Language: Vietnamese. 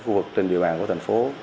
các khu vực trên địa bàn của thành phố